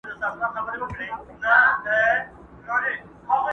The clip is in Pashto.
د چا له کوره وشړمه سیوری د شیطان؛